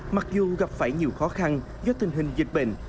mặc dù gặp phải nhiều khó khăn do tình hình dịch bệnh